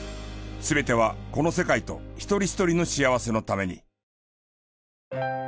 全てはこの世界と一人一人の幸せのために。